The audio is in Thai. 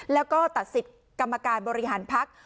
แล้วก็ตัดสิทธิ์กรรมการบริหารพัก